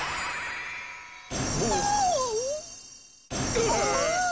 うわ。